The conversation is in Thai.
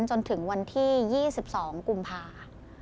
จนถึงวันที่๒๒กุมภา